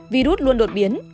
virus luôn đột biến